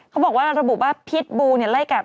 เขาบอกว่าระบุว่าพิษบูไล่กัดพระจีวอนบิล